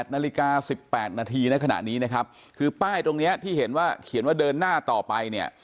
นาฬิกา๑๘นาทีในขณะนี้นะครับคือป้ายตรงนี้ที่เห็นว่าเขียนว่าเดินหน้าต่อไปเนี่ย